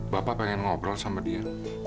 bapak pengen ngobrol sama dia